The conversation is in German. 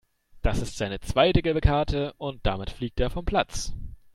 Das ist seine zweite gelbe Karte und damit fliegt er vom Platz.